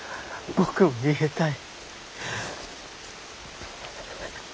僕も逃げたい！